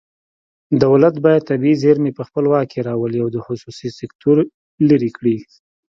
دولت باید طبیعي زیرمې په خپل واک کې راولي او خصوصي سکتور لرې کړي